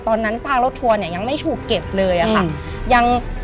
ซากรถทัวร์เนี่ยยังไม่ถูกเก็บเลยอะค่ะ